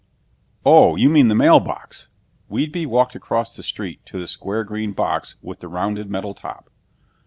Oh, you mean the mailbox!" Whedbee walked across the street to the square green box with the rounded metal top.